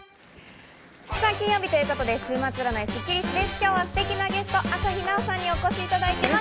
今日はすてきなゲスト、朝日奈央さんにお越しいただいています。